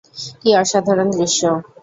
কী অসাধারণ দৃশ্য!